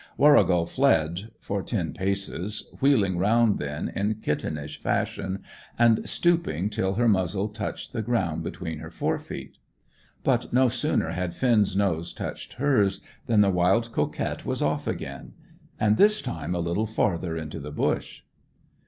Warrigal fled for ten paces, wheeling round then, in kittenish fashion, and stooping till her muzzle touched the ground between her fore feet. But no sooner had Finn's nose touched hers than the wild coquette was off again, and this time a little farther into the bush.